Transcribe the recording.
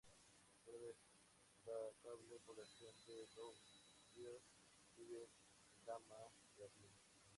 Una destacable población de nubios vive en Eldama-Ravine.